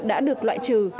đã được loại trừ